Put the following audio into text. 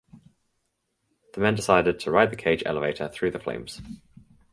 The men decided to ride the cage elevator through the flames.